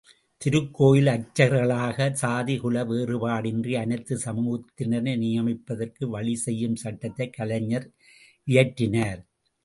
திருக்கோயில் அர்ச்சகர்களாக சாதி, குல வேறுபாடின்றி அனைத்துச் சமூகத்தினரை நியமிப்பதற்கு வழி செய்யும் சட்டத்தை கலைஞர் இயற்றினார்.